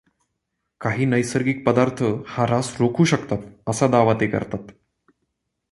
काही नैसर्गिक पदार्थ हा ऱ्हास रोखू शकतात, असा दावा ते करतात.